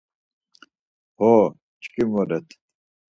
Xo, çkin voret.